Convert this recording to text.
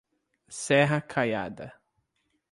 Serra Caiada